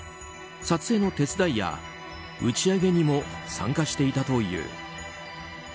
撮影の手伝いや打ち上げにも参加していたという。